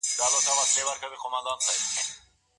د شیدو او مستو کارول هیر نکړئ.